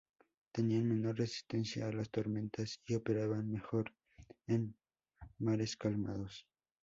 Tenían menor resistencia a las tormentas y operaban mejor en mares calmados.